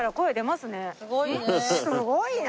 すごいな。